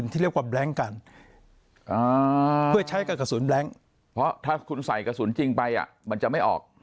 ถ้าคุณใส่กระสุนจริงไปมันจะไม่ออก